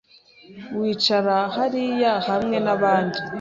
Wicare hariya hamwe nabandi.